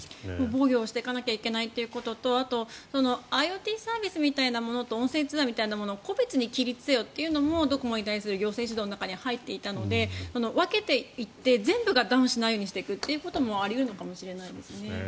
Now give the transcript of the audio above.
防御していかないといけないということとあとＩｏＴサービスみたいなものと音声サービスを個別にせよっていうのもドコモに対する行政指導に入っていたので分けていって全部がダウンしないようにしていくのもあり得るのかもしれないですね。